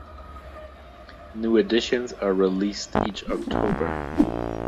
New editions are released each October.